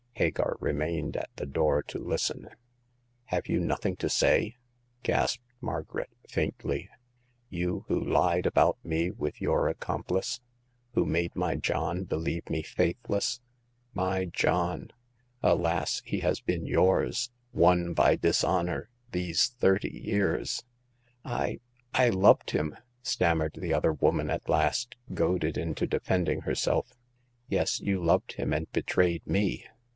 Hagar remained at the door to listen. Have you nothing to say ?" gasped Margaret, faintly — you who lied about me with your ac complice — who made my John believe me faith less ? My John ! alas, he has been yours— won by dishonor — these thirty years !"I — I loved him !" stammered the other woman at last, goaded into defending herself. Yes, you loved him and betrayed me.